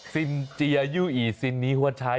ซินเจียยู่อีซินนี้เขาใช้